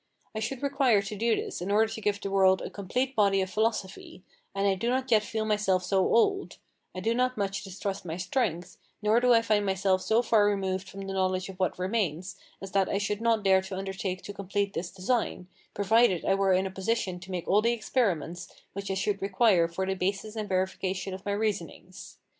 I should require to do this in order to give to the world a complete body of philosophy; and I do not yet feel myself so old, I do not so much distrust my strength, nor do I find myself so far removed from the knowledge of what remains, as that I should not dare to undertake to complete this design, provided I were in a position to make all the experiments which I should require for the basis and verification of my reasonings.